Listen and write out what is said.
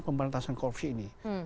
pemberantasan korupsi ini